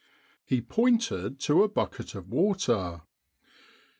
He pointed to a bucket of water.